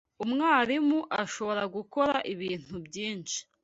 Umwarimu ashobora gukora ibintu byinshi